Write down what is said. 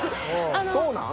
そうなん？